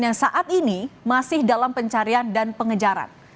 yang saat ini masih dalam pencarian dan pengejaran